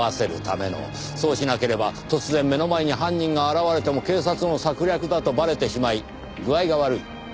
そうしなければ突然目の前に犯人が現れても警察の策略だとバレてしまい具合が悪い。